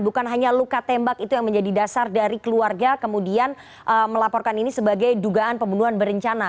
bukan hanya luka tembak itu yang menjadi dasar dari keluarga kemudian melaporkan ini sebagai dugaan pembunuhan berencana